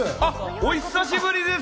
お久しぶりです。